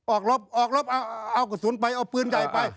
ออกลบออกลบเอากระสุนไปเอาปืนใหญ่ไป